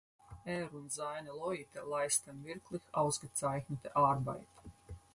Er und seine Leute leisten wirklich ausgezeichnete Arbeit.